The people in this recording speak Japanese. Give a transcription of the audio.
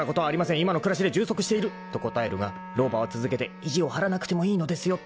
「今の暮らしで充足している」と答えるが老婆は続けて「意地を張らなくてもいいのですよ」と言う］